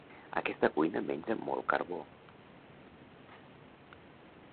Aquesta cuina menja molt carbó.